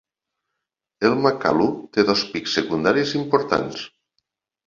El Makalu té dos pics secundaris importants.